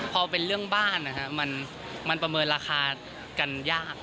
พอเป็นเรื่องบ้านมันประเมินราคากันยาก